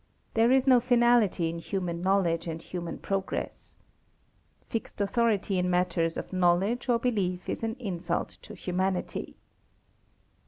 There is no finality in human knowledge and human progress. Fixed authority in matters of knowledge or belief is an insult to humanity.